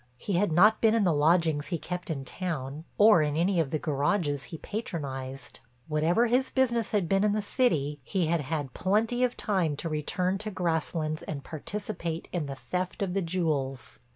He had not been in the lodgings he kept in town or in any of the garages he patronized. Whatever his business had been in the city he had had plenty of time to return to Grasslands and participate in the theft of the jewels.